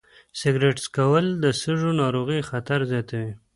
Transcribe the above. سګرټ څکول د سږو ناروغیو خطر زیاتوي.